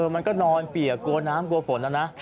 มันก็นอนเปียกกลัวน้ำกลัวฝนนะนะ